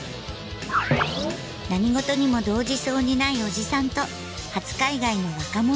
何事にも動じそうにないおじさんと初海外の若者。